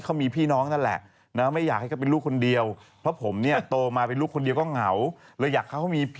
ได้นี่อ้าปากแล้วอ้าปากเห็นไหม